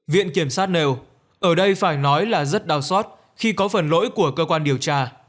viện kiểm sát nêu ở đây phải nói là rất đau xót khi có phần lỗi của cơ quan điều tra